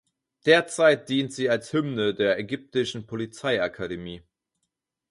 Derzeit dient sie als Hymne der ägyptischen Polizeiakademie.